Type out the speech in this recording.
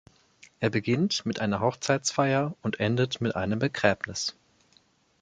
Er beginnt mit einer Hochzeitsfeier und endet mit einem Begräbnis.